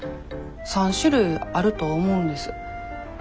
３種類あると思うんです。